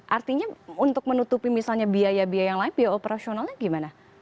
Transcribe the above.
artinya untuk menutupi misalnya biaya biaya yang lain biaya operasionalnya gimana